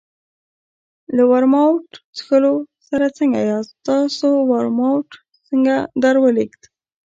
له ورماوټ څښلو سره څنګه یاست؟ ستاسو ورماوټ څنګه درولګېد؟